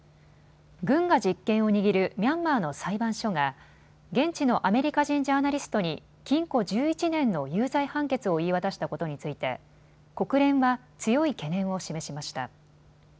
軍が実権を握るミャンマーの裁判所が現地のアメリカ人ジャーナリストに禁錮１１年の有罪判決を言い渡したことについて国連は強い懸念を示しました。